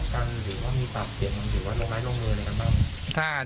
หรือว่ามีปากเสียงกันหรือว่าลงไม้ลงมืออะไรกันบ้าง